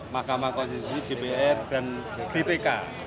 makamakonsisi dpr dan bpk